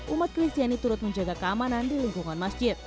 umat kristiani turut menjaga keamanan di lingkungan masjid